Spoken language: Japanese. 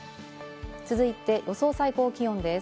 続いて予想最高気温です。